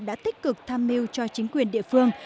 đã tích cực tham mưu cho chính quyền địa phương